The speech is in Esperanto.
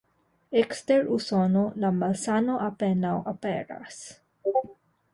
Ekster Usono, la malsano apenaŭ aperas.